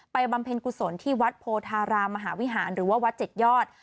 บำเพ็ญกุศลที่วัดโพธารามมหาวิหารหรือว่าวัด๗ยอด